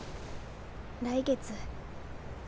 来月。